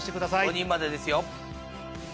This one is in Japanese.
５人までですよ。